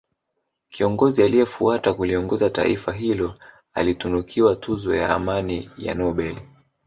kiongozi aliyefuata kuliongoza taifa hilo alitunukiwa tuzo ya amani ya nobeli